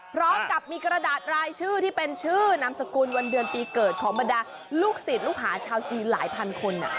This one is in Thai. พร้อมกับมีกระดาษรายชื่อที่เป็นชื่อนามสกุลวันเดือนปีเกิดของบรรดาลูกศิษย์ลูกหาชาวจีนหลายพันคน